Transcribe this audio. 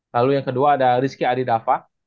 lalu yang kedua ada rizky adidafa